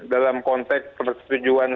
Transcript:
dalam konteks persetujuan